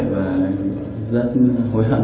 và rất hối hận